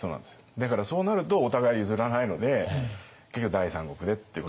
だからそうなるとお互い譲らないので結局第三国でっていうことになるんですよ。